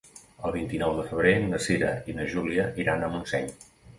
El vint-i-nou de febrer na Cira i na Júlia iran a Montseny.